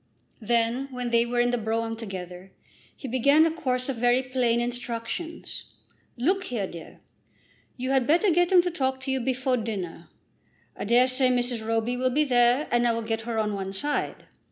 Then, when they were in the brougham together, he began a course of very plain instructions. "Look here, dear; you had better get him to talk to you before dinner. I dare say Mrs. Roby will be there, and I will get her on one side.